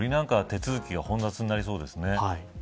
手続きが煩雑になりそうですね。